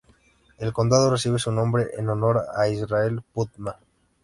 El condado recibe su nombre en honor a Israel Putnam.